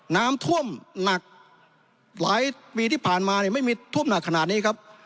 น้ำท่วมหนักหลายปีที่ผ่านมาเนี่ยไม่มีท่วมหนักขนาดนี้ครับ